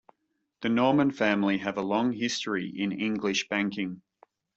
The Norman family have a long history in English banking.